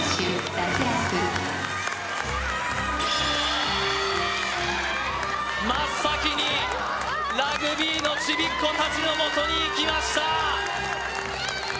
脱落真っ先にラグビーのちびっこ達のもとに行きました